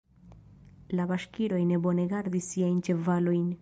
La baŝkiroj ne bone gardis siajn ĉevalojn.